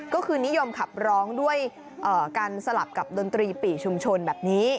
ก็คือนิยมขับร้องด้วยการสลับกับดนตรีปี่ชุมชนแบบนี้